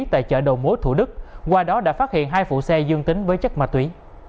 tại chợ đầu mối thủ đức qua đó đã phát hiện hai phụ xe dương tính với chất ma túy